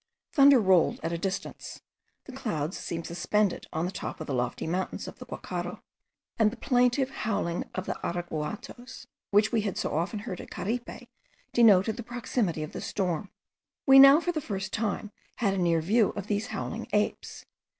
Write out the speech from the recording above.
Thunder rolled at a distance; the clouds seemed suspended on the top of the lofty mountains of the Guacharo; and the plaintive howling of the araguatoes, which we had so often heard at Caripe, denoted the proximity of the storm. We now for the first time had a near view of these howling apes.